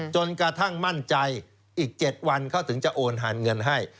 จนกระทั่งมั่นใจอีก๗วันเขาถึงจะโอนหานเงินให้